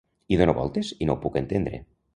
Hi dono voltes i no ho puc entendre.